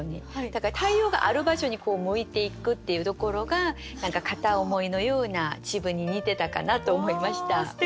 だから太陽がある場所に向いていくっていうところが何か片思いのような自分に似てたかなと思いました。